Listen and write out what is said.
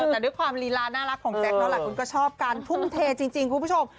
แต่ด้วยความลีลาน่ารักของแจ๊คหลายคนก็ชอบการทุ่มเทจริงคุณผู้ชม